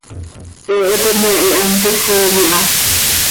He hipi me hihamsisiin iha.